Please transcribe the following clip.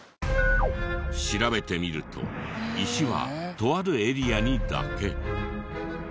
調べてみると石はとあるエリアにだけ。